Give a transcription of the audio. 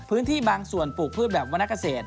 พื้นที่บางส่วนปลูกพืชแบบวรรณเกษตร